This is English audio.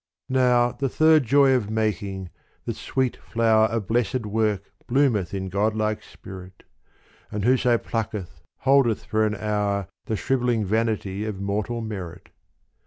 Now the third joy of making, the sweet flower Of blessed work bloometh in godlike spirit : Which whoso plucketh holdeth for an hour The shrivelling vanity of mortal merit.